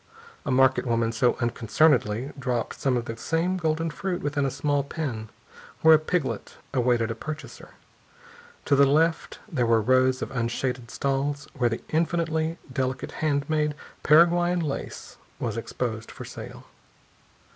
A market woman as unconcernedly dropped some of the same golden fruit within a small pen where a piglet awaited a purchaser. To the left, there were rows of unshaded stalls where the infinitely delicate handmade Paraguayan lace was exposed for sale.